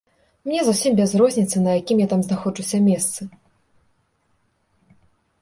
Мне зусім без розніцы, на якім я там знаходжуся месцы.